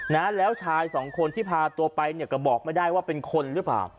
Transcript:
นะแล้วชายสองคนที่พาตัวไปเนี่ยก็บอกไม่ได้ว่าเป็นคนหรือเปล่า